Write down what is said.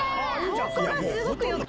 ここがすごくよくて。